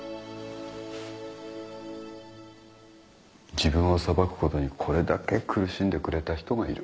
自分を裁くことにこれだけ苦しんでくれた人がいる。